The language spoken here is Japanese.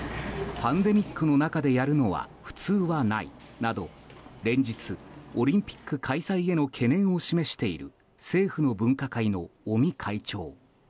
パンデミックの中でやるのは普通はないなど連日、オリンピック開催への懸念を示している政府の分科会の尾身会長。